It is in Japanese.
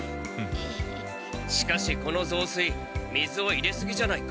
しかしこのぞうすい水を入れすぎじゃないか？